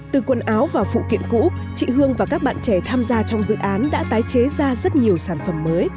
từ quần áo và phụ kiện cũ chị hương và các bạn trẻ tham gia trong dự án đã tái chế ra rất nhiều sản phẩm mới